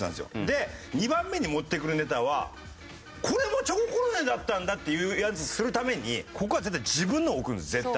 で２番目に持ってくるネタはこれもチョココロネだったんだっていうやつをするためにここは絶対に自分の置くんです絶対。